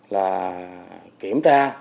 là kiểm tra